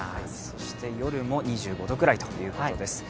そして夜も２５度くらいということです。